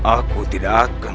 aku tidak akan